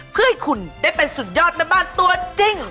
เพื่อให้คุณได้เป็นสุดยอดแม่บ้านตัวจริง